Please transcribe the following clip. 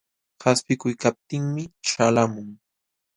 Qaspiykuykaptinmi ćhalqamun.